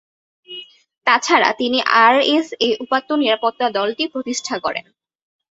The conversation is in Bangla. তাছাড়া তিনি আরএসএ উপাত্ত নিরাপত্তা দলটি প্রতিষ্ঠা করেন।